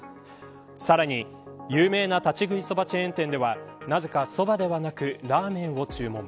さらに、有名な立ち食いそばチェーン店ではなぜか、そばではなくラーメンを注文。